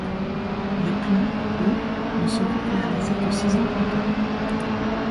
Les plans, eux ne seront réalisé que six ans plus tard.